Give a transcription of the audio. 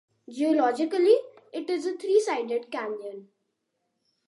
Geologically, it is a three-sided canyon.